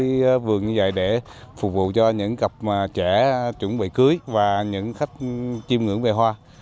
cái vườn như vậy để phục vụ cho những cặp trẻ chuẩn bị cưới và những khách chiêm ngưỡng về hoa